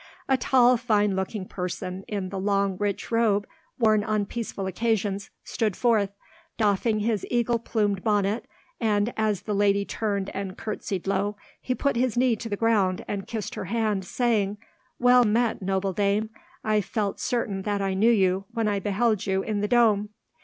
A tall, fine looking person, in the long rich robe worn on peaceful occasions, stood forth, doffing his eagle plumed bonnet, and, as the lady turned and curtsied low, he put his knee to the ground and kissed her hand, saying, "Well met, noble dame; I felt certain that I knew you when I beheld you in the Dome."